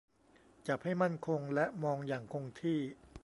จับให้มั่นคงและมองอย่างคงที่